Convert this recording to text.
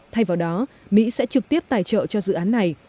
thay vào đó mỹ sẽ trực tiếp tài trợ cho dự án này